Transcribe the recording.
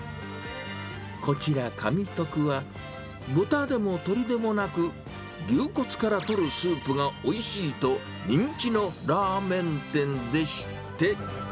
こちら、香味徳は、豚でも鶏でもなく、牛骨から取るスープがおいしいと、人気のラーメン店でして。